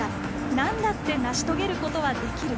なんだって成し遂げることはできる。